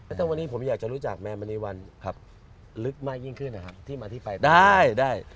แต่ตั้งวันนี้ผมอยากจะรู้จักแม่มันีวันลึกมากยิ่งขึ้นนะครับที่มาที่ไฟล์ได้